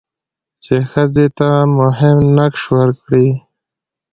چې ښځې ته مهم نقش ورکړي؛